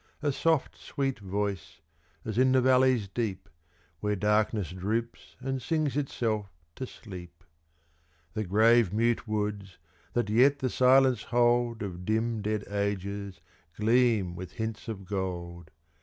A soft, sweet voice is in the valleys deep, Where darkness droops and sings itself to sleep. The grave, mute woods, that yet the silence hold Of dim, dead ages, gleam with hints of gold.